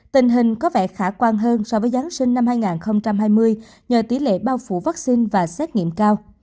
tình hình có vẻ khả quan hơn so với giáng sinh năm hai nghìn hai mươi nhờ tỷ lệ bao phủ vaccine và xét nghiệm cao